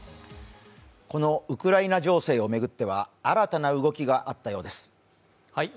ウクライナ情勢を巡っては新たな動きがあったようです。